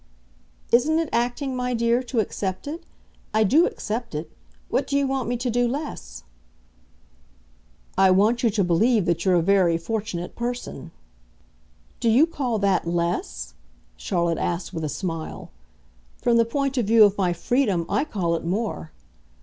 "Isn't it acting, my dear, to accept it? I do accept it. What do you want me to do less?" "I want you to believe that you're a very fortunate person." "Do you call that LESS?" Charlotte asked with a smile. "From the point of view of my freedom I call it more.